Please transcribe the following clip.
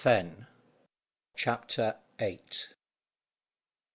"Very." CHAPTER EIGHT.